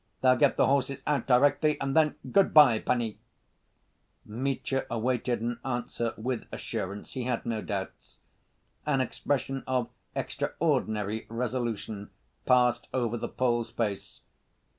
They'll get the horses out directly, and then—good‐by, panie!" Mitya awaited an answer with assurance. He had no doubts. An expression of extraordinary resolution passed over the Pole's face.